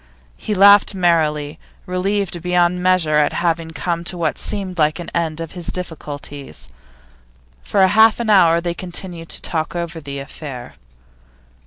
He laughed merrily, relieved beyond measure at having come to what seemed an end of his difficulties. For half an hour they continued to talk over the affair.